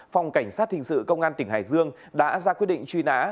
phòng cảnh sát hình sự công an tỉnh hải dương đã ra quyết định truy nã